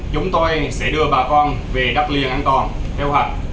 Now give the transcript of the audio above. chúng tôi sẽ đưa bà con về đắp liền an toàn theo hạch